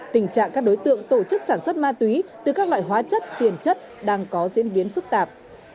tình trạng các đối tượng tổ chức sản xuất ma túy từ các loại hóa chất tiền chất đang có diễn biến phức tạp